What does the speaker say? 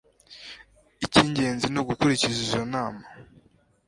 Ikingenzi ni ugukurikiza izo nama.